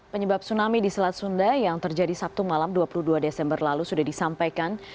penyebab tsunami di selat sunda yang terjadi sabtu malam dua puluh dua desember lalu sudah disampaikan